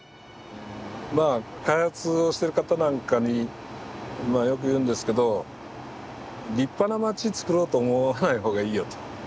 まあ開発をしてる方なんかによく言うんですけど立派な街つくろうと思わない方がいいよと。